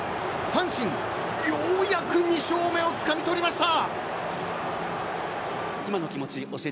阪神、ようやく２勝目をつかみ取りました。